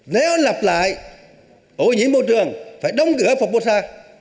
nếu lặp lại ổ nhiễm môi trường phải đóng cửa phong mô sa